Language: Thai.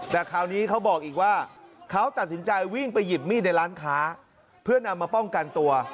แต่คราวนี้เขาบอกอีกว่าเขาตัดสินใจวิ่งไปหยิบมีดในร้านค้าเพื่อนำมาป้องกันตัว